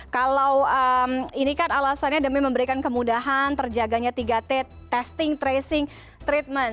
kalau ini kan alasannya demi memberikan kemudahan terjaganya tiga t testing tracing treatment